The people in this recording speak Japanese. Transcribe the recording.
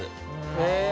へえ。